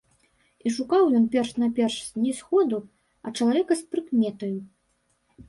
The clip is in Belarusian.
І шукаў ён перш-наперш не сходу, а чалавека з прыкметаю.